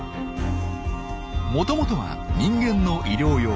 もともとは人間の医療用。